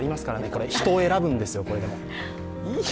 これ、人を選ぶんですよ。